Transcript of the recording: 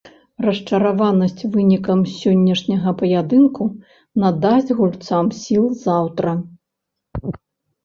Расчараванасць вынікам сённяшняга паядынку надасць гульцам сіл заўтра.